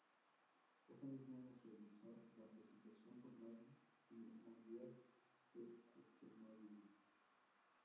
Ese mismo año se realizó la presentación formal en el Mondial de l’Automobile.